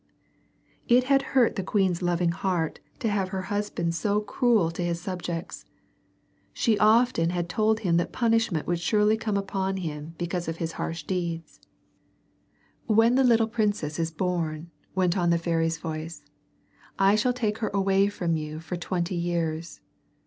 It had hurt the queen's loving heart to have her husband so cruel to his subjects. She often had told him that punishment would surely come upon him because of his harsh deeds. "When the little princess is born," went on the fairy's voice, "I shall take her away from you for twenty years.